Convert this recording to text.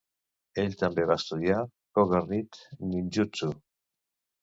Ell també va estudiar Koga Ryt Ninjutsu.